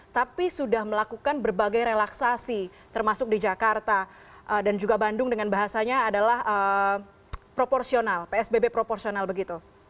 tapi sudah melakukan berbagai relaksasi termasuk di jakarta dan juga bandung dengan bahasanya adalah proporsional psbb proporsional begitu